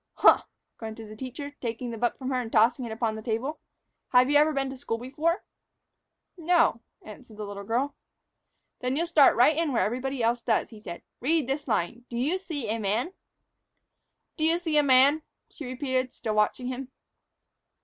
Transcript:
"Huh!" grunted the teacher, taking the book from her and tossing it upon his table. "Have you ever been to school before?" "No," answered the little girl. "Then you'll start right in where everybody else does," he said. "Read this line. 'Do you see a man?'" "'Doyouseeaman?'" she repeated, still watching him.